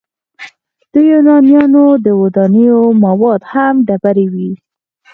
د یونانیانو د ودانیو مواد هم ډبرې وې.